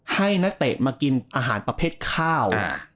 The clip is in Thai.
นักเตะมากินอาหารประเภทข้าว